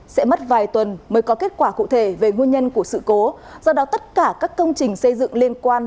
sẽ mất vài tuần mới có kết quả cụ thể về nguyên nhân của sự cố do đó tất cả các công trình xây dựng liên quan